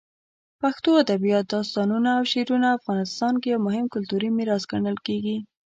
پښتو ادبیات، داستانونه، او شعرونه افغانستان کې یو مهم کلتوري میراث ګڼل کېږي.